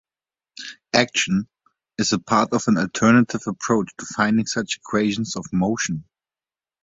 "Action" is a part of an alternative approach to finding such equations of motion.